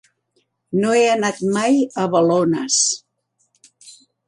No he anat mai a Balones.